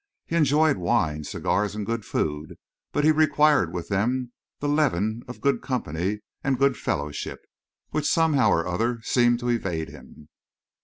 He enjoyed wine, cigars and good food, but he required with them the leaven of good company and good fellowship, which somehow or other seemed to evade him.